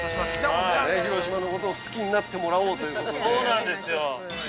◆広島のことを好きになってもらおうということで。